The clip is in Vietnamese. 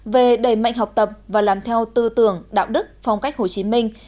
về đẩy mạnh học tập và làm theo tư tưởng đạo đức phong cách hồ chí minh